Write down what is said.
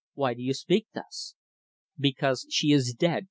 "Why do you speak thus?" "Because she is dead!"